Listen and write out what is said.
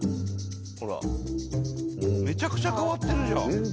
めちゃくちゃ変わってるじゃん。